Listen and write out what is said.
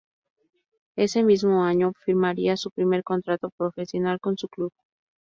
Ese mismo año firmaría su primer contrato profesional con su club.